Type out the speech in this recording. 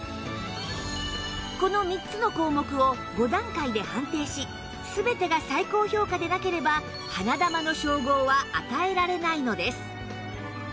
この３つの項目を５段階で判定し全てが最高評価でなければ花珠の称号は与えられないのです